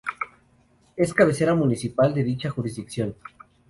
Es cabecera municipal de dicha jurisdicción.